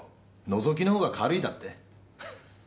のぞきのほうが軽いだって！？